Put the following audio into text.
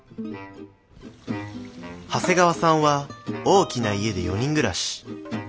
長谷川さんは大きな家で４人暮らし。